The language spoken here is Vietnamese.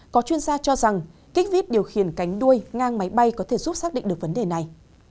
có chuyên gia cho rằng kích vít điều khiển cánh đuôi ngang máy bay có thể giúp xác định được vấn đề này